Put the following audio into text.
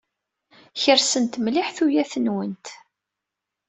Kersent mliḥ tuyat-nwent.